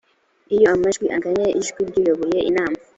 iyo amajwi anganye ijwi ry uwayoboye inama